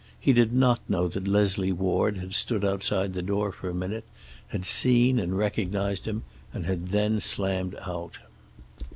He did not know that Leslie Ward had stood outside the door for a minute, had seen and recognized him, and had then slammed out.